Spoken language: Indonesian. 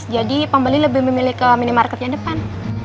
jadi pembeli lebih memilih ke minimarket yang depan